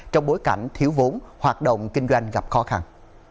trong bối cảnh thiếu vốn hoạt động kinh doanh gặp khó khăn